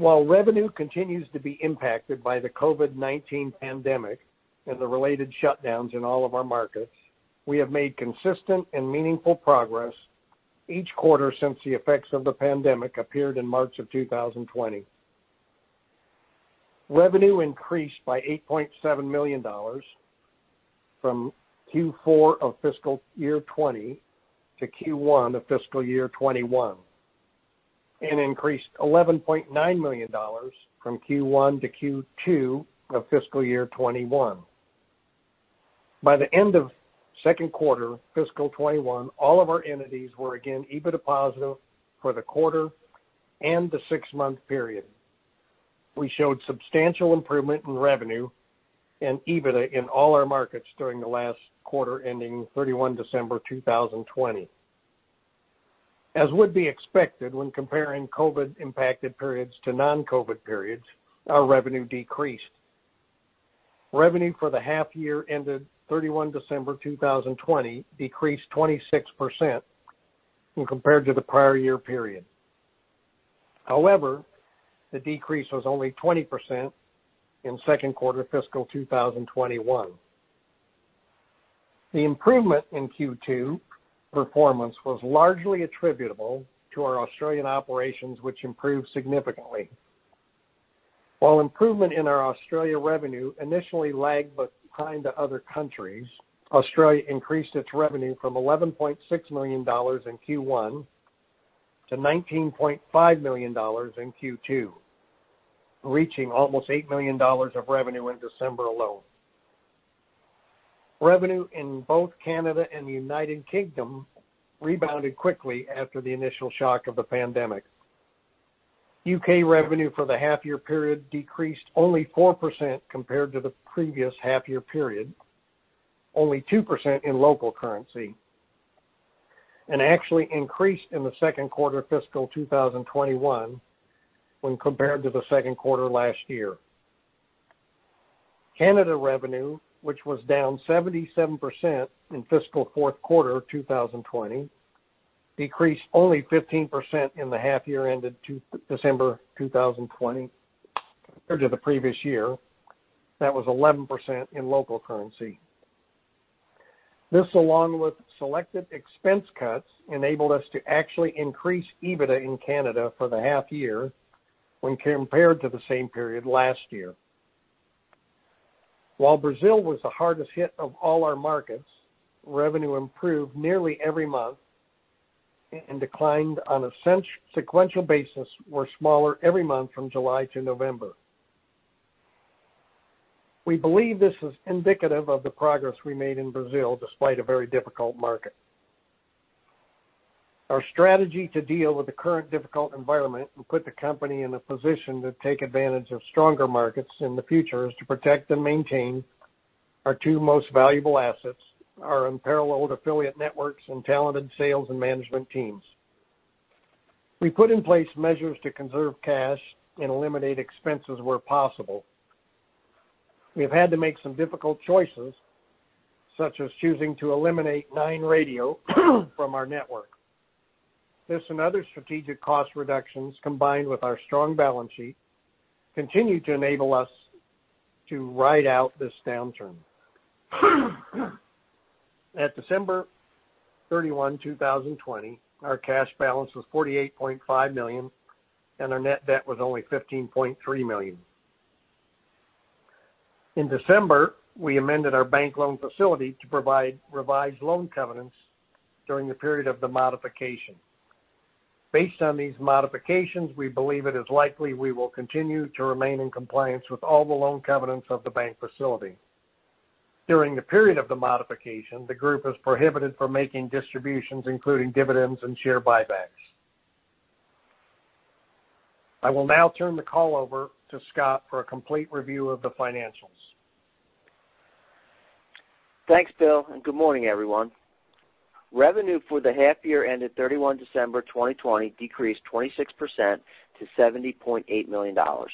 While revenue continues to be impacted by the COVID-19 pandemic and the related shutdowns in all of our markets, we have made consistent and meaningful progress each quarter since the effects of the pandemic appeared in March of 2020. Revenue increased by 8.7 million dollars from Q4 of FY 2020 to Q1 of FY 2021, and increased 11.9 million dollars from Q1 to Q2 of FY 2021. By the end of second quarter FY 2021, all of our entities were again EBITDA positive for the quarter and the six-month period. We showed substantial improvement in revenue and EBITDA in all our markets during the last quarter ending 31 December 2020. As would be expected when comparing COVID-impacted periods to non-COVID periods, our revenue decreased. Revenue for the half year ended 31 December 2020 decreased 26% when compared to the prior year period. However, the decrease was only 20% in second quarter fiscal 2021. The improvement in Q2 performance was largely attributable to our Australian operations, which improved significantly. While improvement in our Australia revenue initially lagged behind the other countries, Australia increased its revenue from 11.6 million dollars in Q1 to 19.5 million dollars in Q2, reaching almost 8 million dollars of revenue in December alone. Revenue in both Canada and the U.K. rebounded quickly after the initial shock of the pandemic. U.K. revenue for the half-year period decreased only 4% compared to the previous half-year period, only 2% in local currency, and actually increased in the second quarter FY 2021 when compared to the second quarter last year. Canada revenue, which was down 77% in fiscal fourth quarter 2020, decreased only 15% in the half year ended December 2020 compared to the previous year. That was 11% in local currency. This, along with selected expense cuts, enabled us to actually increase EBITDA in Canada for the half year when compared to the same period last year. While Brazil was the hardest hit of all our markets, revenue improved nearly every month and declined on a sequential basis or smaller every month from July to November. We believe this is indicative of the progress we made in Brazil, despite a very difficult market. Our strategy to deal with the current difficult environment and put the company in a position to take advantage of stronger markets in the future is to protect and maintain our two most valuable assets, our unparalleled affiliate networks and talented sales and management teams. We put in place measures to conserve cash and eliminate expenses where possible. We have had to make some difficult choices, such as choosing to eliminate Nine Radio from our network. This and other strategic cost reductions, combined with our strong balance sheet, continue to enable us to ride out this downturn. At December 31, 2020, our cash balance was 48.5 million, and our net debt was only 15.3 million. In December, we amended our bank loan facility to provide revised loan covenants during the period of the modification. Based on these modifications, we believe it is likely we will continue to remain in compliance with all the loan covenants of the bank facility. During the period of the modification, the group is prohibited from making distributions, including dividends and share buybacks. I will now turn the call over to Scott for a complete review of the financials. Thanks, Bill, and good morning, everyone. Revenue for the half year ended 31 December 2020 decreased 26% to 70.8 million dollars.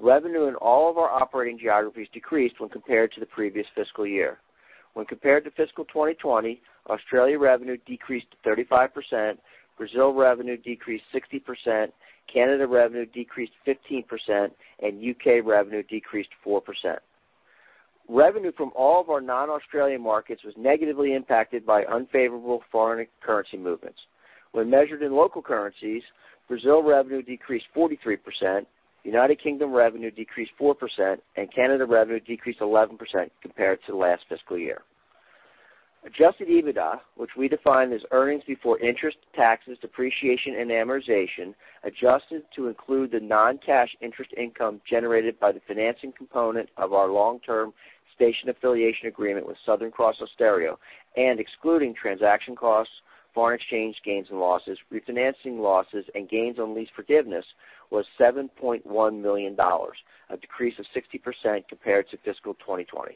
Revenue in all of our operating geographies decreased when compared to the previous fiscal year. When compared to FY 2020, Australia revenue decreased 35%, Brazil revenue decreased 60%, Canada revenue decreased 15%, and U.K. revenue decreased 4%. Revenue from all of our non-Australian markets was negatively impacted by unfavorable foreign currency movements. When measured in local currencies, Brazil revenue decreased 43%, United Kingdom revenue decreased 4%, and Canada revenue decreased 11% compared to the last fiscal year. Adjusted EBITDA, which we define as earnings before interest, taxes, depreciation, and amortization, adjusted to include the non-cash interest income generated by the financing component of our long-term station affiliation agreement with Southern Cross Austereo and excluding transaction costs, foreign exchange gains and losses, refinancing losses, and gains on lease forgiveness, was 7.1 million dollars, a decrease of 60% compared to fiscal 2020.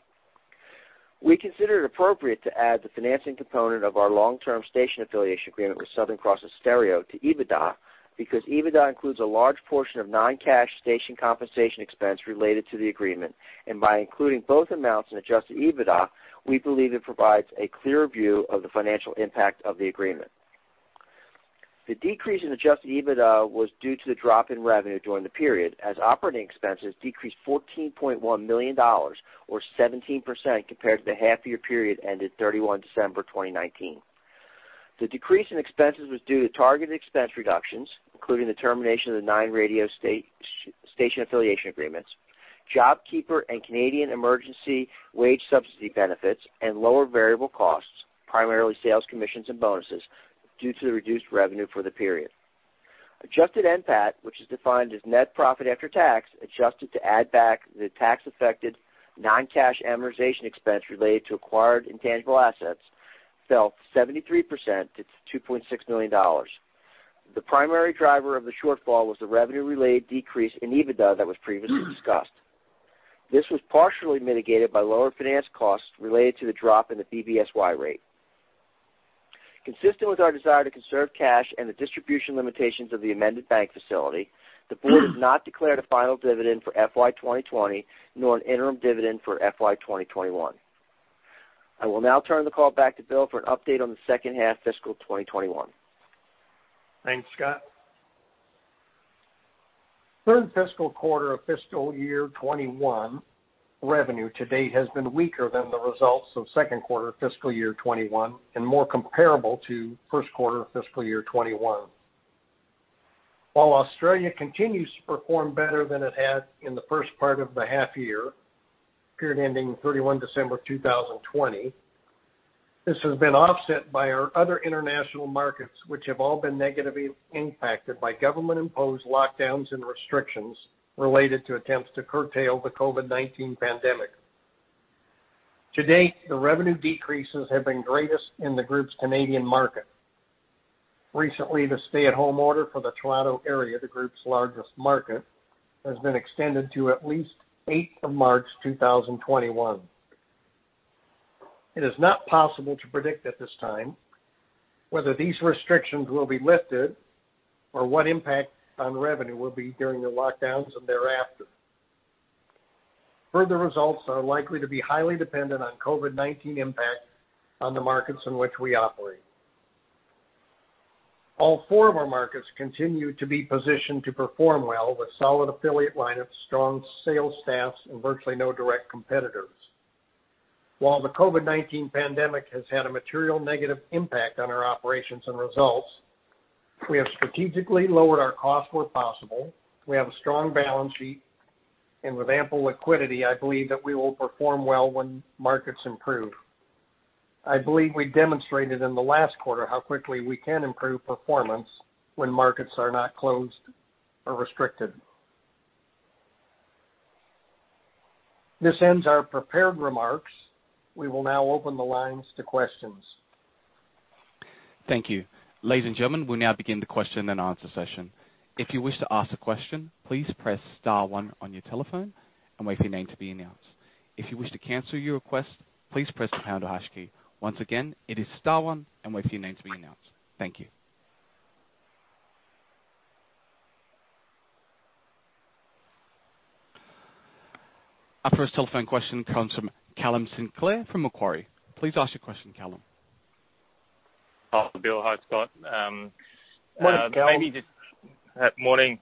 We consider it appropriate to add the financing component of our long-term station affiliation agreement with Southern Cross Austereo to EBITDA because EBITDA includes a large portion of non-cash station compensation expense related to the agreement. By including both amounts in adjusted EBITDA, we believe it provides a clear view of the financial impact of the agreement. The decrease in adjusted EBITDA was due to the drop in revenue during the period as operating expenses decreased 14.1 million dollars, or 17%, compared to the half-year period ended 31 December 2019. The decrease in expenses was due to targeted expense reductions, including the termination of the Nine Radio station affiliation agreements, JobKeeper and Canadian Emergency Wage Subsidy benefits, and lower variable costs, primarily sales commissions and bonuses, due to the reduced revenue for the period. Adjusted NPAT, which is defined as net profit after tax, adjusted to add back the tax-affected non-cash amortization expense related to acquired intangible assets, fell 73% to 2.6 million dollars. The primary driver of the shortfall was the revenue-related decrease in EBITDA that was previously discussed. This was partially mitigated by lower finance costs related to the drop in the BBSY rate. Consistent with our desire to conserve cash and the distribution limitations of the amended bank facility, the board has not declared a final dividend for FY 2020, nor an interim dividend for FY 2021. I will now turn the call back to Bill for an update on the second half fiscal 2021. Thanks, Scott. Third fiscal quarter of fiscal year 2021 revenue to date has been weaker than the results of second quarter fiscal year 2021, and more comparable to first quarter fiscal year 2021. While Australia continues to perform better than it had in the first part of the half year, period ending 31 December 2020, this has been offset by our other international markets, which have all been negatively impacted by government-imposed lockdowns and restrictions related to attempts to curtail the COVID-19 pandemic. To date, the revenue decreases have been greatest in the group's Canadian market. Recently, the stay-at-home order for the Toronto area, the group's largest market, has been extended to at least 8th of March 2021. It is not possible to predict at this time whether these restrictions will be lifted or what impact on revenue will be during the lockdowns and thereafter. Further results are likely to be highly dependent on COVID-19 impact on the markets in which we operate. All four of our markets continue to be positioned to perform well with solid affiliate lineup, strong sales staffs, and virtually no direct competitors. While the COVID-19 pandemic has had a material negative impact on our operations and results, we have strategically lowered our costs where possible. We have a strong balance sheet, and with ample liquidity, I believe that we will perform well when markets improve. I believe we demonstrated in the last quarter how quickly we can improve performance when markets are not closed or restricted. This ends our prepared remarks. We will now open the lines to questions. Thank you. Ladies and gentlemen, we'll now begin the question and answer session. If you wish to ask a question, please press star one on your telephone and wait for your name to be announced. If you wish to cancel your request, please press the pound or hash key. Once again, it is star one and wait for your name to be announced. Thank you. Our first telephone question comes from Callum Sinclair from Macquarie. Please ask your question, Callum. Hi, Bill. Hi, Scott. Morning, Callum. Morning.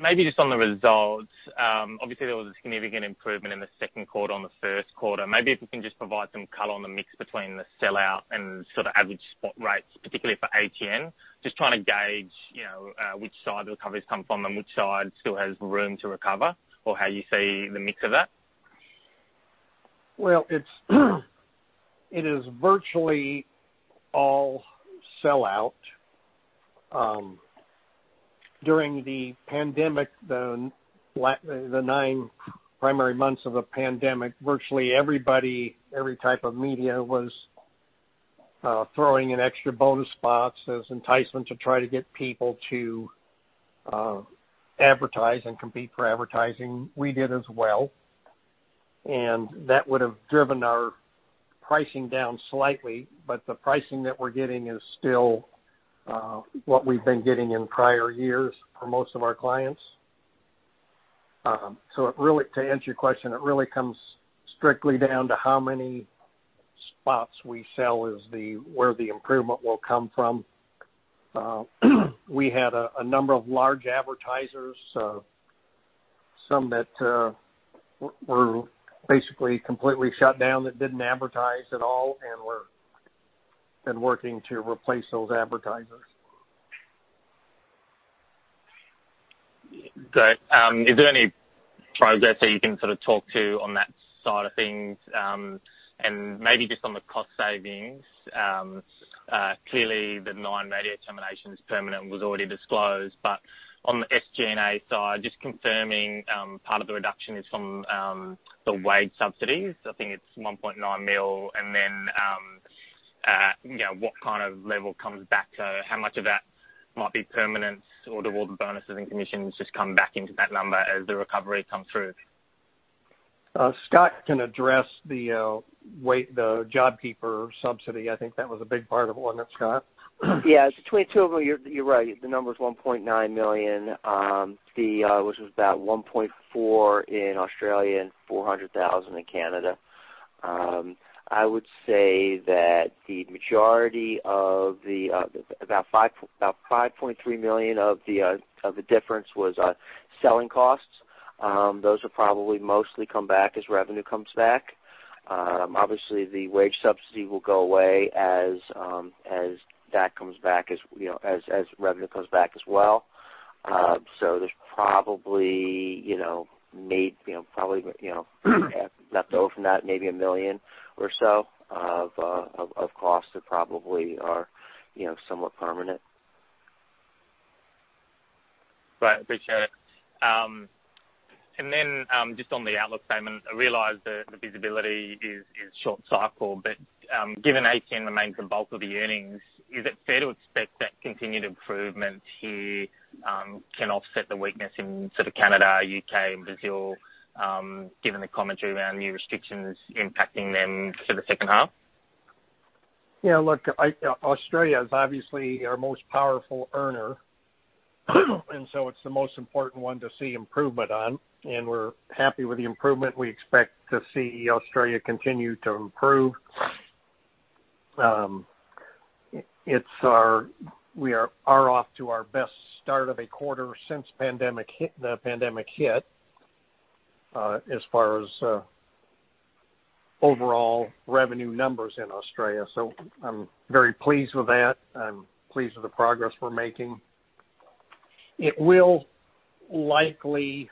Maybe just on the results. Obviously, there was a significant improvement in the second quarter on the first quarter. Maybe if you can just provide some color on the mix between the sellout and sort of average spot rates, particularly for ATN. Just trying to gauge which side the recovery's come from and which side still has room to recover, or how you see the mix of that. Well, it is virtually all sellout. During the pandemic, the nine primary months of the pandemic, virtually everybody, every type of media was throwing in extra bonus spots as enticement to try to get people to advertise and compete for advertising. We did as well, and that would've driven our pricing down slightly, but the pricing that we're getting is still what we've been getting in prior years for most of our clients. To answer your question, it really comes strictly down to how many spots we sell is where the improvement will come from. We had a number of large advertisers, some that were basically completely shut down that didn't advertise at all, and we've been working to replace those advertisers. Great. Is there any progress that you can sort of talk to on that side of things? Maybe just on the cost savings, clearly the Nine Radio termination is permanent, was already disclosed. On the SG&A side, just confirming, part of the reduction is from the wage subsidies. I think it's 1.9 million. What kind of level comes back? How much of that might be permanent, or do all the bonuses and commissions just come back into that number as the recovery comes through? Scott can address the JobKeeper subsidy. I think that was a big part of it. Wasn't it, Scott? Yeah. It's the 22 of them. You're right. The number is 1.9 million, which was about 1.4 million in Australia and 400,000 in Canada. I would say that the majority of the, about 5.3 million of the difference was selling costs. Those will probably mostly come back as revenue comes back. Obviously, the wage subsidy will go away as that comes back, as revenue comes back as well. Okay. There's probably left over from that, maybe 1 million or so of costs that probably are somewhat permanent. Right. Appreciate it. Then just on the outlook statement, I realize that the visibility is short cycle, but given ACL remains the bulk of the earnings, is it fair to expect that continued improvement here can offset the weakness in sort of Canada, U.K., and Brazil, given the commentary around new restrictions impacting them for the second half? Australia is obviously our most powerful earner, and so it's the most important one to see improvement on, and we're happy with the improvement. We expect to see Australia continue to improve. We are off to our best start of a quarter since the pandemic hit, as far as overall revenue numbers in Australia. So I'm very pleased with that. I'm pleased with the progress we're making. It will likely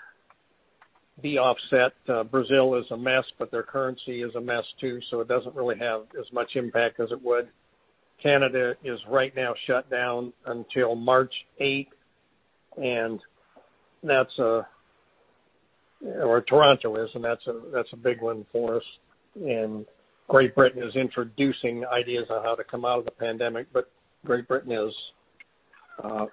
be offset. Brazil is a mess, but their currency is a mess too, so it doesn't really have as much impact as it would. Canada is right now shut down until March 8th, or Toronto is, and that's a big one for us. Great Britain is introducing ideas on how to come out of the pandemic, but Great Britain has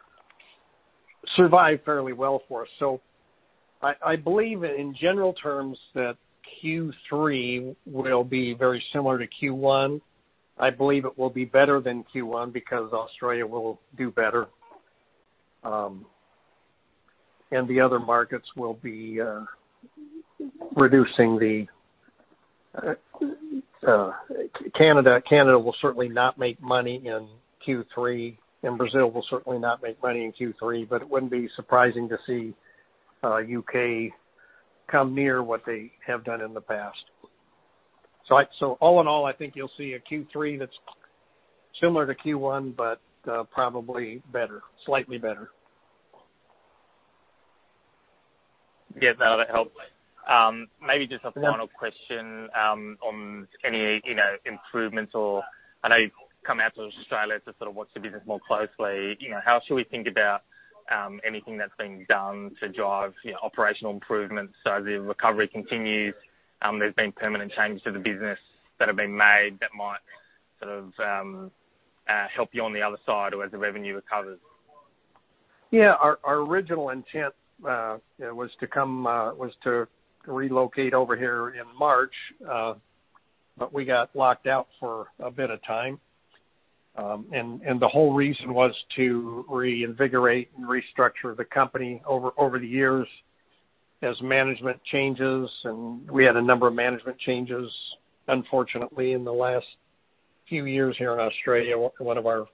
survived fairly well for us. I believe in general terms that Q3 will be very similar to Q1. I believe it will be better than Q1 because Australia will do better. The other markets will be reducing the Canada will certainly not make money in Q3, and Brazil will certainly not make money in Q3, but it wouldn't be surprising to see U.K. come near what they have done in the past. All in all, I think you'll see a Q3 that's similar to Q1 but probably better, slightly better. Yeah. No, that helps. Maybe just a final question on any improvements or, I know you've come out to Australia to sort of watch the business more closely. How should we think about anything that's being done to drive operational improvements so as the recovery continues, there's been permanent changes to the business that have been made that might sort of help you on the other side or as the revenue recovers? Yeah. Our original intent was to relocate over here in March. We got locked out for a bit of time. The whole reason was to reinvigorate and restructure the company. Over the years, as management changes, we had a number of management changes, unfortunately, in the last few years here in Australia. One of our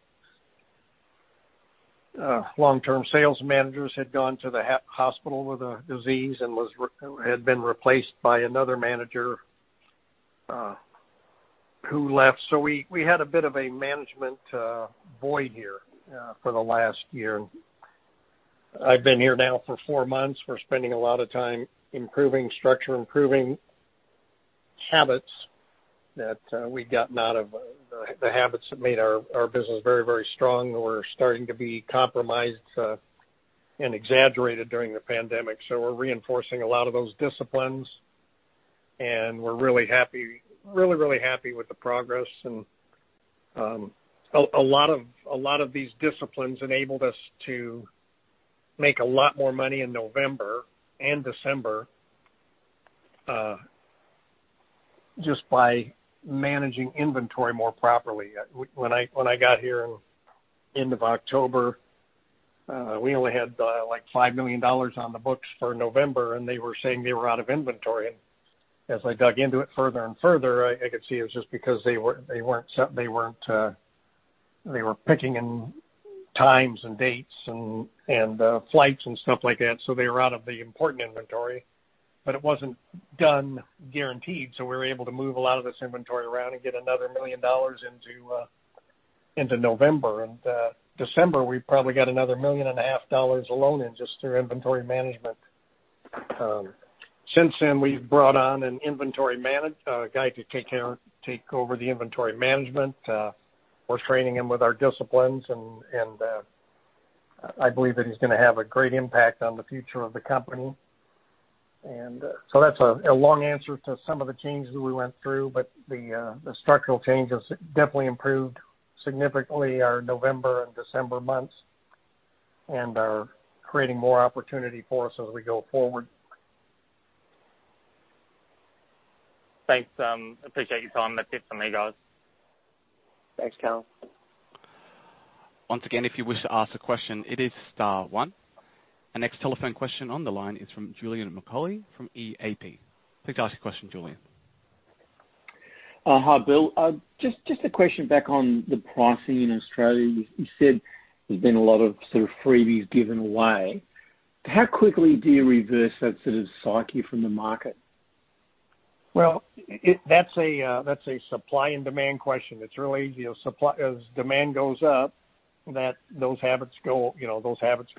long-term sales managers had gone to the hospital with a disease and had been replaced by another manager who left. We had a bit of a management void here for the last year. I've been here now for four months. We're spending a lot of time improving structure, improving habits that we'd gotten out of. The habits that made our business very strong were starting to be compromised and exaggerated during the pandemic. We're reinforcing a lot of those disciplines, and we're really happy with the progress. A lot of these disciplines enabled us to make a lot more money in November and December, just by managing inventory more properly. When I got here in end of October, we only had like 5 million dollars on the books for November, and they were saying they were out of inventory. As I dug into it further and further, I could see it was just because they were picking in times and dates and flights and stuff like that. They were out of the important inventory, but it wasn't done guaranteed. We were able to move a lot of this inventory around and get another 1 million dollars into November. December, we probably got another 1.5 Million alone in just through inventory management. Since then, we've brought on an inventory guy to take over the inventory management. We're training him with our disciplines, and I believe that he's going to have a great impact on the future of the company. That's a long answer to some of the changes that we went through. The structural changes definitely improved significantly our November and December months and are creating more opportunity for us as we go forward. Thanks. Appreciate your time. That's it from me, guys. Thanks, Callum. Once again, if you wish to ask a question, it is star one. Our next telephone question on the line is from Julian Macaulay from EAP. Please ask your question, Julian. Hi, Bill. Just a question back on the pricing in Australia. You said there's been a lot of freebies given away. How quickly do you reverse that psyche from the market? Well, that's a supply and demand question. As demand goes up, those habits go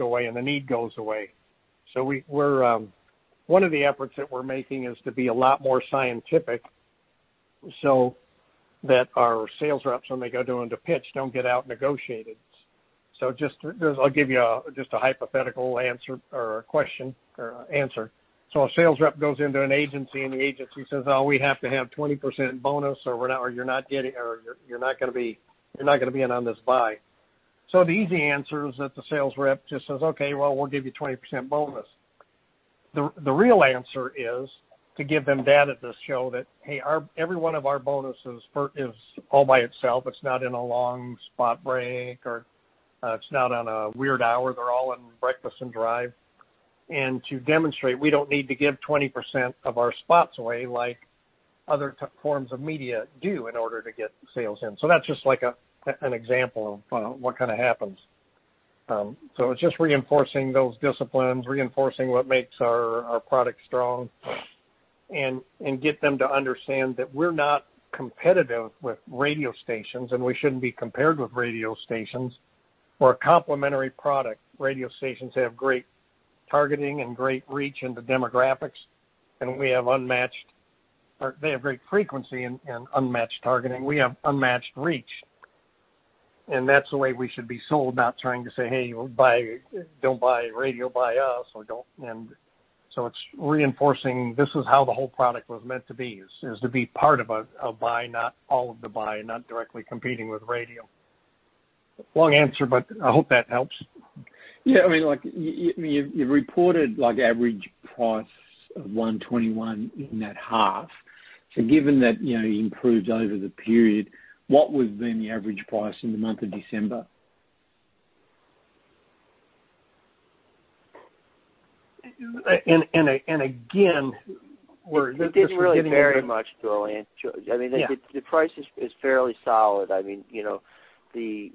away, and the need goes away. One of the efforts that we're making is to be a lot more scientific, so that our sales reps, when they go doing the pitch, don't get outnegotiated. I'll give you just a hypothetical answer or question or answer. A sales rep goes into an agency, and the agency says, "Oh, we have to have 20% bonus, or you're not going to be in on this buy." The easy answer is that the sales rep just says, "Okay, well, we'll give you 20% bonus." The real answer is to give them data to show that, hey, every one of our bonuses is all by itself. It's not in a long spot break or it's not on a weird hour. They're all in breakfast and drive. To demonstrate, we don't need to give 20% of our spots away like other forms of media do in order to get sales in. That's just an example of what kind of happens. It's just reinforcing those disciplines, reinforcing what makes our product strong, and get them to understand that we're not competitive with radio stations, and we shouldn't be compared with radio stations. We're a complementary product. Radio stations have great targeting and great reach into demographics, they have great frequency and unmatched targeting. We have unmatched reach, and that's the way we should be sold, not trying to say, "Hey, don't buy radio, buy us." It's reinforcing this is how the whole product was meant to be, is to be part of a buy, not all of the buy, and not directly competing with radio. Long answer, but I hope that helps. Yeah. You've reported average price of 121 in that half. Given that improved over the period, what would then be the average price in the month of December? Again. It didn't really vary much, Julian. Yeah The price is fairly solid. I mean, the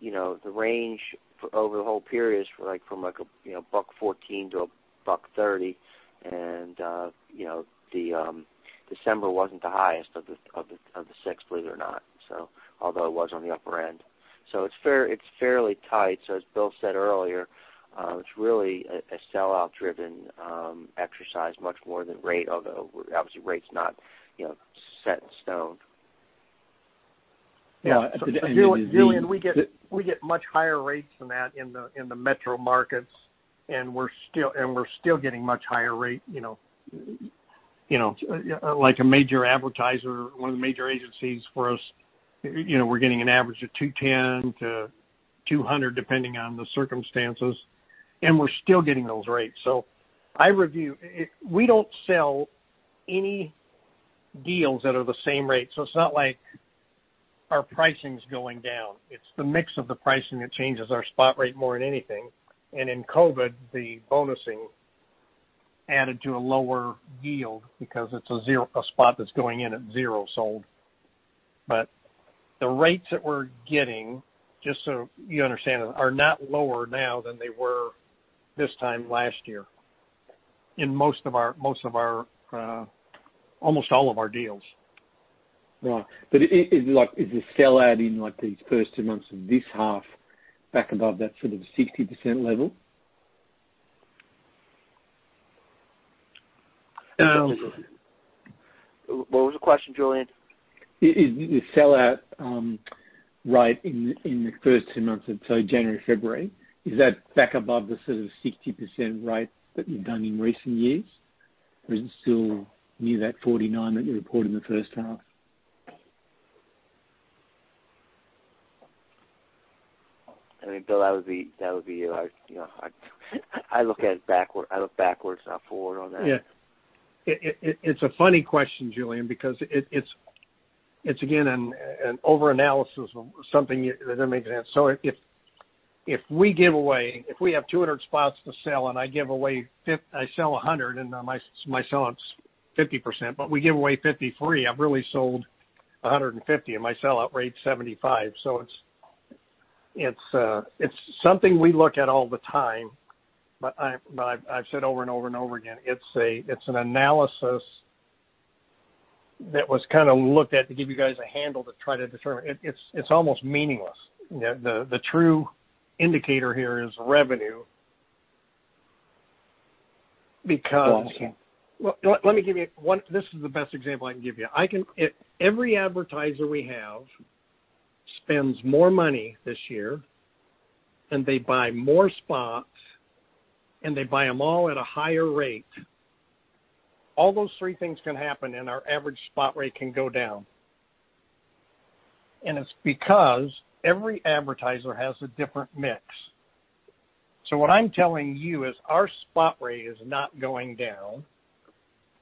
range over the whole period is from 114 to 130, December wasn't the highest of the six, believe it or not. Although it was on the upper end. It's fairly tight. As Bill said earlier, it's really a sellout driven exercise much more than rate, although obviously rate's not set in stone. Yeah. Julian, we get much higher rates than that in the metro markets, we're still getting much higher rate. Like a major advertiser, one of the major agencies for us, we're getting an average of 210-200, depending on the circumstances. We're still getting those rates. We don't sell any deals that are the same rate, so it's not like our pricing's going down. It's the mix of the pricing that changes our spot rate more than anything. In COVID, the bonusing added to a lower yield because it's a spot that's going in at zero sold. The rates that we're getting, just so you understand, are not lower now than they were this time last year in almost all of our deals. Is the sell out in these first two months of this half back above that sort of 60% level? What was the question, Julian? Is the sellout rate in the first two months of, so January, February, is that back above the sort of 60% rate that you've done in recent years? Or is it still near that 49 that you reported in the first half? I mean, Bill, that would be you. I look backwards, not forward on that. Yeah. It's a funny question, Julian, because it's again an over-analysis of something that doesn't make sense. If we have 200 spots to sell and I sell 100 and my sellout's 50%, but we give away 50 free, I've really sold 150 and my sellout rate's 75%. It's something we look at all the time. I've said over and over and over again, it's an analysis that was kind of looked at to give you guys a handle to try to determine. It's almost meaningless. The true indicator here is revenue. Okay. Well, let me give you. This is the best example I can give you. If every advertiser we have spends more money this year, and they buy more spots, and they buy them all at a higher rate, all those three things can happen and our average spot rate can go down. It's because every advertiser has a different mix. What I'm telling you is our spot rate is not going down,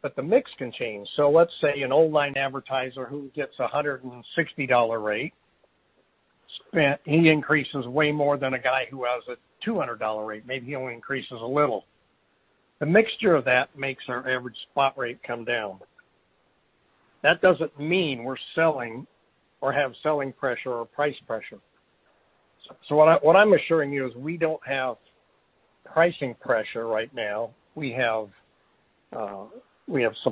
but the mix can change. Let's say an old line advertiser who gets 160 dollar rate, he increases way more than a guy who has 200 dollar rate. Maybe he only increases a little. The mixture of that makes our average spot rate come down. That doesn't mean we're selling or have selling pressure or price pressure. What I'm assuring you is we don't have pricing pressure right now. We don't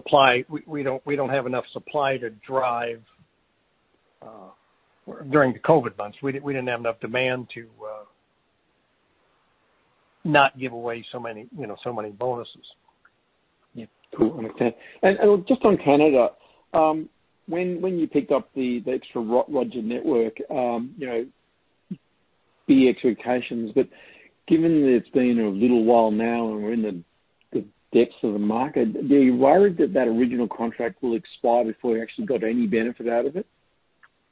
have enough supply to drive. During the COVID months, we didn't have enough demand to not give away so many bonuses. Yeah. Cool. Understand. Just on Canada, when you picked up the extra Rogers Network, the expectations, but given that it's been a little while now and we're in the depths of the market, are you worried that that original contract will expire before you actually got any benefit out of it?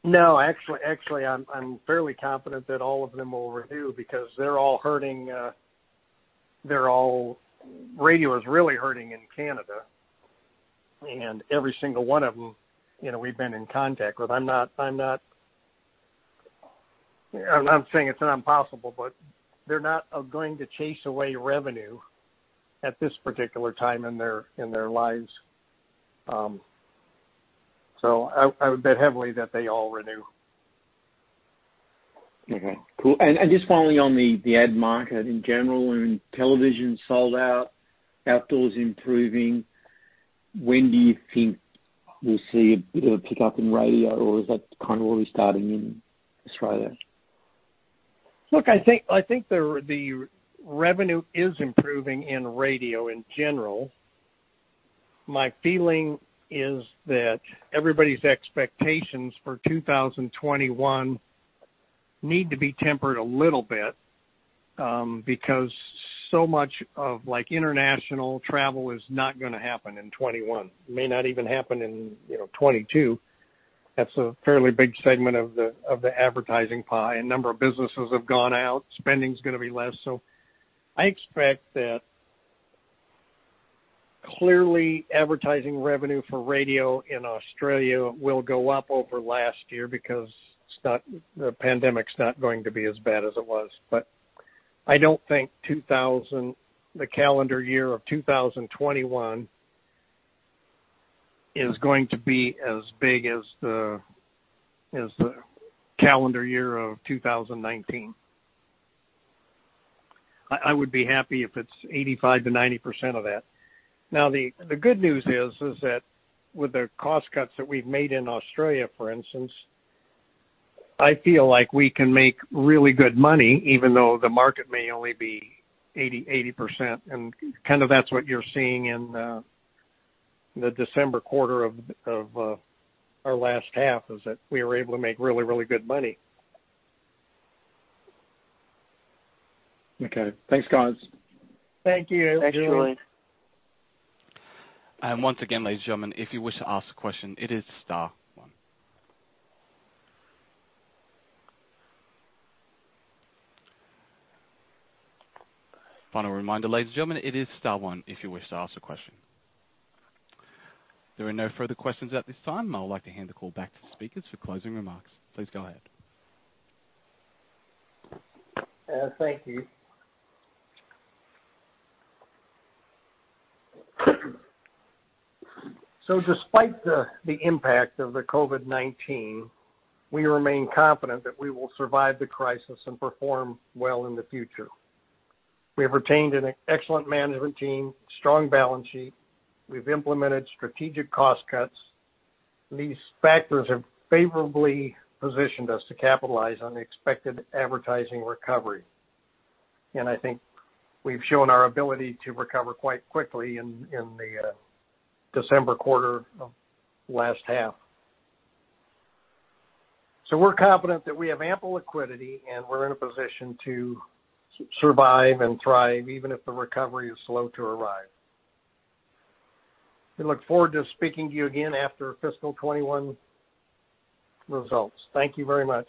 No, actually, I'm fairly confident that all of them will renew because radio is really hurting in Canada. Every single one of them we've been in contact with. I'm not saying it's not impossible, but they're not going to chase away revenue at this particular time in their lives. I would bet heavily that they all renew. Okay, cool. Just finally on the ad market in general, when television's sold out, outdoor's improving, when do you think we'll see a bit of a pickup in radio, or is that kind of already starting in Australia? I think the revenue is improving in radio in general. My feeling is that everybody's expectations for 2021 need to be tempered a little bit, because so much of international travel is not going to happen in 2021. May not even happen in 2022. That's a fairly big segment of the advertising pie. A number of businesses have gone out. Spending's going to be less. I expect that clearly advertising revenue for radio in Australia will go up over last year because the pandemic's not going to be as bad as it was. I don't think the calendar year of 2021 is going to be as big as the calendar year of 2019. I would be happy if it's 85%-90% of that. The good news is that with the cost cuts that we've made in Australia, for instance, I feel like we can make really good money even though the market may only be 80%. Kind of that's what you're seeing in the December quarter of our last half, is that we were able to make really good money. Okay. Thanks, guys. Thank you. Thanks, Julian. Once again, ladies and gentlemen, if you wish to ask a question, it is star one. Final reminder, ladies and gentlemen, it is star one if you wish to ask a question. There are no further questions at this time. I would like to hand the call back to the speakers for closing remarks. Please go ahead. Thank you. Despite the impact of the COVID-19, we remain confident that we will survive the crisis and perform well in the future. We have retained an excellent management team, strong balance sheet. We've implemented strategic cost cuts. These factors have favorably positioned us to capitalize on the expected advertising recovery, and I think we've shown our ability to recover quite quickly in the December quarter of last half. We're confident that we have ample liquidity, and we're in a position to survive and thrive even if the recovery is slow to arrive. We look forward to speaking to you again after fiscal 2021 results. Thank you very much.